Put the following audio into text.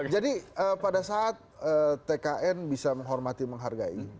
jadi pada saat tkn bisa menghormati dan menghargai